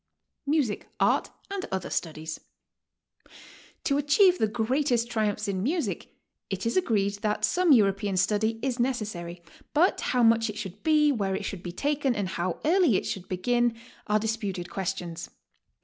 MUSIC, ART, AND OTHER STUDIES. To achieve the greatest triumphs in music, it is agreed that some European study is necessary, but how much it should be, where it should be taken, and how early it should begin are disputed questions.